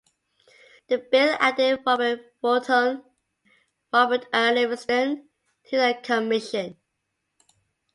The bill added Robert Fulton and Robert R. Livingston to the Commission.